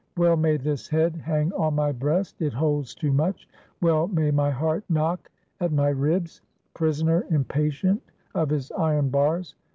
Well may this head hang on my breast it holds too much; well may my heart knock at my ribs, prisoner impatient of his iron bars.